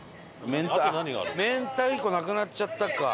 明太子なくなっちゃったか。